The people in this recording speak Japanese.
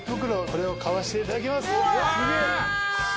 これを買わしていただきます。